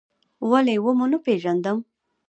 ولې و مو نه پېژندم؟